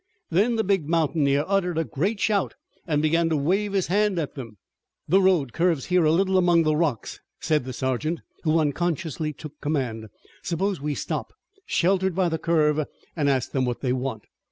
Then the big mountaineer uttered a great shout and began to wave his hand at them. "The road curves here a little among the rocks," said the sergeant, who unconsciously took command. "Suppose we stop, sheltered by the curve, and ask them what they want."